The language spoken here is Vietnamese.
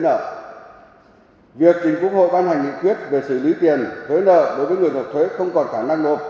nói chung là việc tỉnh quốc hội ban hành hình quyết về xử lý tiền thuế nợ đối với người thuộc thuế không còn khả năng nộp